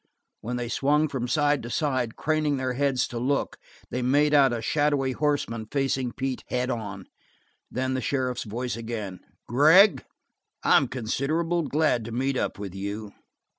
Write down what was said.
When they swung from side to side, craning their heads to look, they made out a shadowy horseman facing Pete head on. Then the sheriff's voice again: "Gregg, I'm considerable glad to meet up with you."